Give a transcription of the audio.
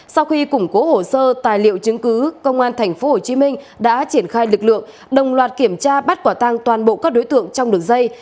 sau khi củng cố hồ sơ tài liệu chứng cứ công an tp hcm đã triển khai lực lượng đồng loạt kiểm tra bắt quả tang toàn bộ các đối tượng trong đường dây